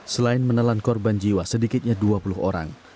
selain menelan korban jiwa sedikitnya dua puluh orang